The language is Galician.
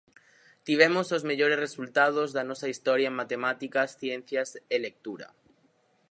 Tivemos os mellores resultados da nosa historia en matemáticas, ciencias e lectura.